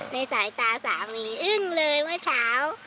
ในสายตาสามีอึ้งเลยเมื่อเช้า